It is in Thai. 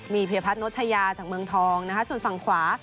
มีเพียพัฒนชายาจากเมืองทองนะคะส่วนฝั่งขวา